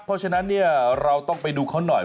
เพราะฉะนั้นเราต้องไปดูเขาหน่อย